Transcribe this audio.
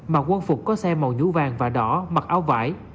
mặc quân phục có xe màu nhũ vàng và đỏ mặc áo vải